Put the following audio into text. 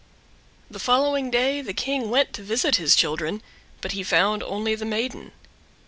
The following day the King went to visit his children, but he found only the maiden.